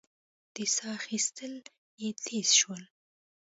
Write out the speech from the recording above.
د سا اخېستل يې تېز شول.